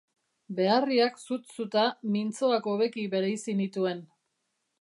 Beharriak zut-zuta, mintzoak hobeki bereizi nituen.